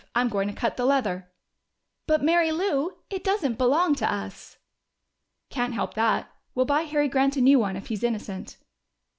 I'm going to cut the leather." "But, Mary Lou, it doesn't belong to us!" "Can't help that. We'll buy Harry Grant a new one if he's innocent."